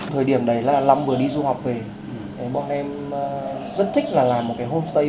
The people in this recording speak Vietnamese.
thời điểm đấy là long vừa đi du học về bọn em rất thích là làm một cái homestay